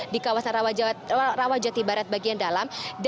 di kawasan rawajati barat bagian dalam